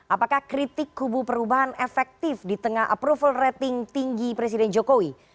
apakah kritik kubu perubahan efektif di tengah approval rating tinggi presiden jokowi